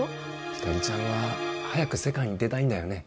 ひかりちゃんは早く世界に出たいんだよね？